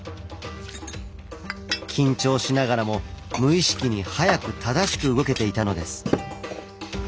緊張しながらも無意識に速く正しく動けていたのです。